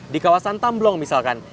di kawasan tamblong misalkan